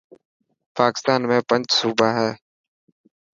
پاڪستان ۾ پنچ صوبا هي.